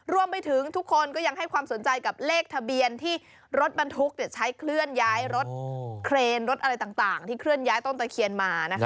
รวมไปถึงทุกคนก็ยังให้ความสนใจกับเลขทะเบียนที่รถบรรทุกใช้เคลื่อนย้ายรถเครนรถอะไรต่างที่เคลื่อนย้ายต้นตะเคียนมานะคะ